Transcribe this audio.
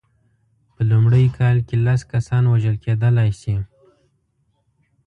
په لومړۍ کال کې لس کسان وژل کېدلای شي.